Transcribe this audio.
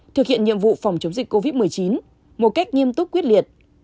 thực hiện nhiệm vụ phòng chống dịch covid một mươi chín một cách nghiêm túc quyết liệt